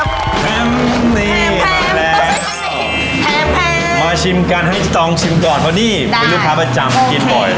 แพมแพมมาชิมกันให้จิตองชิมก่อนเพราะนี่มีลูกค้าประจำมากินบ่อย